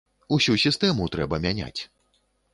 Усю сістэму трэба мяняць.